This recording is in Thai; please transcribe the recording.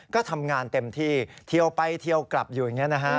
ก็ทำงานเต็มที่เทียวไปเทียวกลับอยู่อย่างนี้นะฮะ